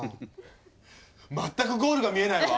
全くゴールが見えないわ！